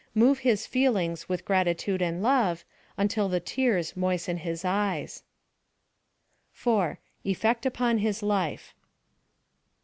move his feelings with gratitude and love, until the tears moisten his eyes. 4. Effect upon his life.